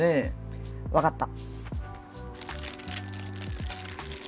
分かった。